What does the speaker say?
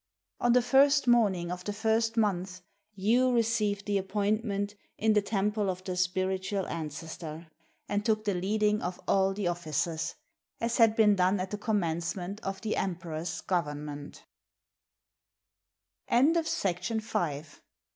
On the first morning of the first month, Yu received the appointment in the temple of the spiritual Ancestor, and took the leading of all the officers, as had been done at the commencement of the emperor's government.